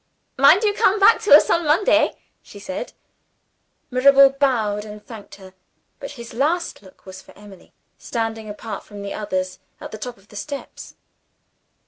"Mind you come back to us on Monday!" she said. Mirabel bowed and thanked her; but his last look was for Emily, standing apart from the others at the top of the steps.